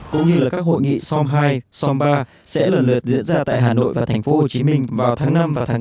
cũng như là các hội nghị som hai som ba sẽ lần lượt diễn ra tại hà nội và tp hcm vào tháng năm và tháng bốn